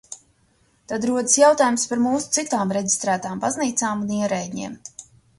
Tad rodas jautājums par mūsu citām reģistrētām baznīcām un ierēdņiem.